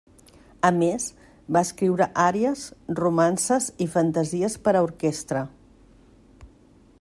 A més, va escriure àries, romances i fantasies per a orquestra.